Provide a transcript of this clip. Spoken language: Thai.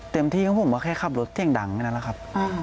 เต็มที่ของผมก็แค่ขับรถเสียงดังแค่นั้นแหละครับ